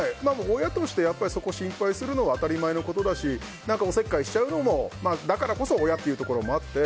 親として、そこを心配するのは当たり前のことだしお節介しちゃうのもだからこそ親というのもあって。